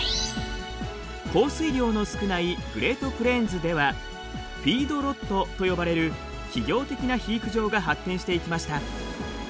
降水量の少ないグレートプレーンズではフィードロットと呼ばれる企業的な肥育場が発展していきました。